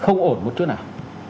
không ổn một chút nào